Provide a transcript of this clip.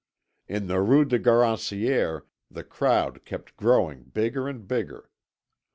In the Rue Garancière the crowd kept growing bigger and bigger.